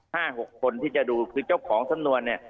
หกคนที่จะดูคือเจ้าของสำนวนเนี่ย